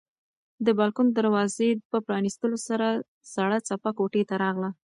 د بالکن د دروازې په پرانیستلو سره سړه څپه کوټې ته راغله.